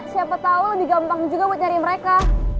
siapa tahu lebih gampang juga buat nyari mereka